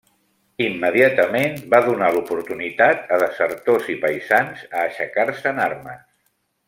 Immediatament va donar l'oportunitat a desertors i paisans a aixecar-se en armes.